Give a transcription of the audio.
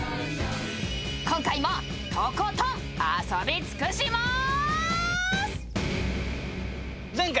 今回もとことん遊び尽くします！